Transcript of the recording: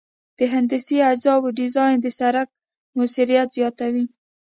د هندسي اجزاوو ډیزاین د سرک موثریت زیاتوي